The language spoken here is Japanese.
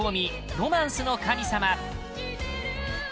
「ロマンスの神様」